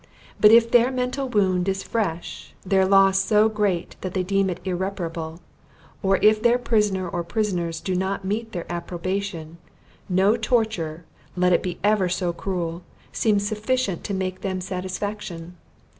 But if their mental wound is fresh, their loss so great that they deem it irreparable, or if their prisoner or prisoners do not meet their approbation, no torture, let it be ever so cruel, seems sufficient to make them satisfaction.